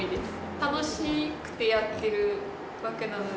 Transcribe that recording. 楽しくてやってるわけなので。